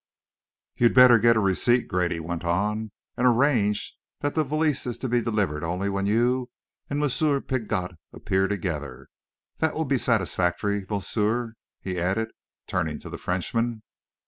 "You'd better get a receipt," Grady went on, "and arrange that the valise is to be delivered only when you and Moosseer Piggott appear together. That will be satisfactory, moosseer?" he added, turning to the Frenchman.